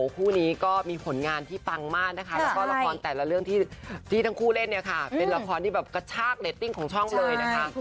คู่นี้ก็มีผลงานที่ปังมากนะคะแล้วก็ละครแต่ละเรื่องที่ทั้งคู่เล่นเนี่ยค่ะเป็นละครที่แบบกระชากเรตติ้งของช่องเลยนะคะ